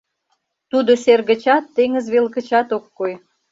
Тудо сер гычат, теҥыз вел гычат ок кой.